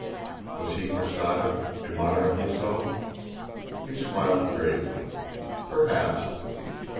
Was he quixotic? Immoderately so? He smiled gravely. Perhaps.